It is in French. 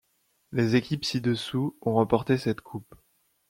Les équipes ci-dessous ont remporté cette coupe.